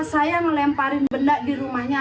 saya melemparin benda di rumahnya